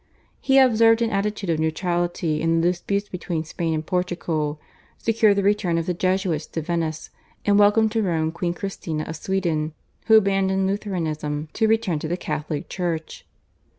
He observed an attitude of neutrality in the disputes between Spain and Portugal, secured the return of the Jesuits to Venice, and welcomed to Rome Queen Christina of Sweden, who abandoned Lutheranism to return to the Catholic Church.